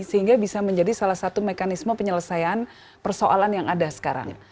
sehingga bisa menjadi salah satu mekanisme penyelesaian persoalan yang ada sekarang